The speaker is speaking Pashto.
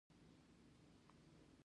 د تخه د درد لپاره د څه شي اوبه وڅښم؟